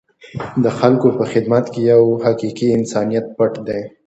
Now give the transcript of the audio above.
د خلکو په خدمت کې یو حقیقي انسانیت پټ دی.